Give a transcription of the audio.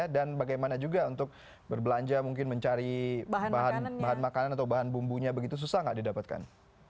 dan bagaimana juga untuk berbelanja mungkin mencari bahan makanan atau bahan bumbunya begitu susah nggak didapatkan